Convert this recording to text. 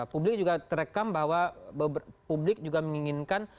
publik juga terekam bahwa publik juga menginginkan